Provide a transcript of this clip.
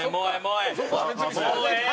もうええ